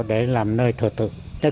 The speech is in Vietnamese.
để làm nơi thờ tự